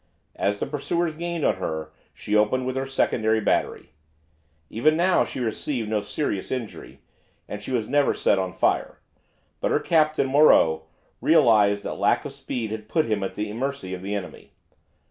As the pursuers gained on her she opened with her secondary battery. Even now she received no serious injury, and she was never set on fire. But her captain, Moreu, realized that lack of speed had put him at the mercy of the enemy.